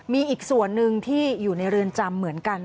มีอีกส่วนหนึ่งที่อยู่ในเรือนจำเหมือนกัน